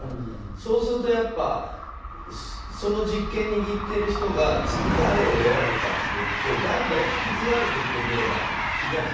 そうするとその実権を握っている人が次、誰を選ぶかって代々引き継がれていってるような気がして。